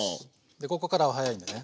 でここからは速いんでね